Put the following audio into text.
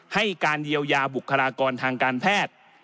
ให้การเยียวยาบุคลากรทางการแพทย์